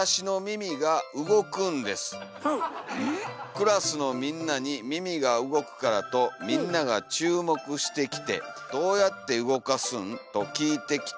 「クラスのみんなに耳が動くからとみんながちゅうもくしてきて『どうやってうごかすん？』ときいてきて」。